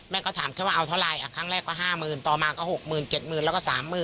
ก็ถามแค่ว่าเอาเท่าไรครั้งแรกก็๕๐๐๐ต่อมาก็๖๗๐๐แล้วก็๓๐๐๐